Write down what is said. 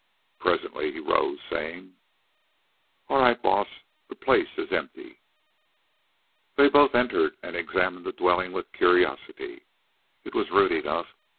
Presently he rose, saying: "All right, Baas, the place is empty." Then they both entered and examined the dwelling with curiosity. It was rude enough.